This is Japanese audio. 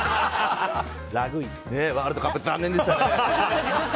ワールドカップ残念でしたね。